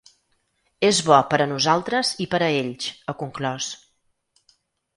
“És bo per a nosaltres i per a ells”, ha conclòs.